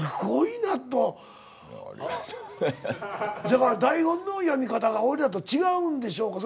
だから台本の読み方が俺らと違うんでしょうか？